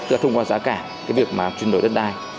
tức là thông qua giá cả cái việc mà chuyển đổi đất đai